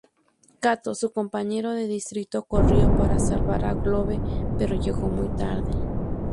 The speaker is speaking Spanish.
Cato, su compañero de distrito, corrió para salvar a Clove, pero llegó muy tarde.